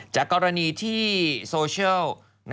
จากกรณีที่โซเชียล